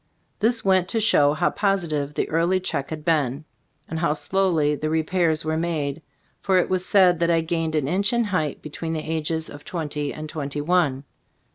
This went to show how positive the early check had been, and how slowly the repairs were made, for it was said that I gained an inch in height between the ages of twenty and twenty one.